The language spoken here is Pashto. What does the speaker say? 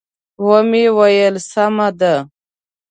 و مې ویل: سمه ده.